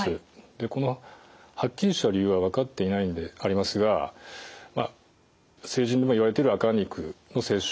このはっきりした理由は分かっていないんでありますが成人でもいわれている赤肉の摂取